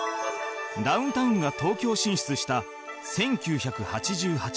ダウンタウンが東京進出した１９８８年